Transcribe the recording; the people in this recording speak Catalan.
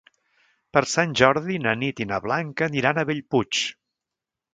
Per Sant Jordi na Nit i na Blanca aniran a Bellpuig.